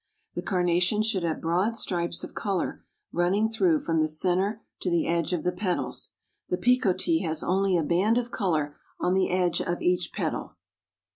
The Carnation should have broad stripes of color running through from the center to the edge of the petals. The Picotee has only a band of color on the edge of each petal."